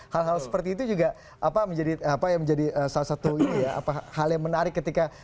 hal hal seperti itu juga menjadi salah satu hal yang menarik ketika